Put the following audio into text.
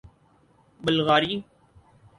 بلغاری